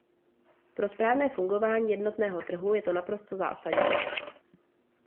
Pro správné fungování jednotného trhu je to naprosto zásadní.